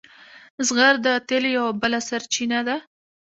زغر د تیلو یوه بله سرچینه ده.